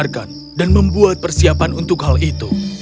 mereka akan mendengarkan dan membuat persiapan untuk hal itu